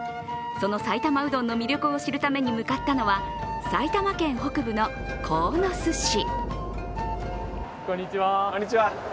その埼玉うどんの魅力を知るために向かったのは、埼玉県北部の鴻巣市。